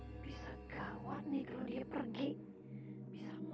aisyah jangan pergi aisyah